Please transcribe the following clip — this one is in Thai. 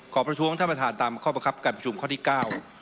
ประท้วงท่านประธานตามข้อบังคับการประชุมข้อที่เก้า